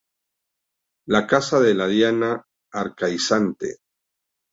La casa de la Diana Arcaizante".